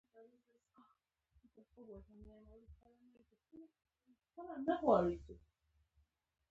خپلې تومانچې ته مې لاس ور اوږد کړ، ته نه یې.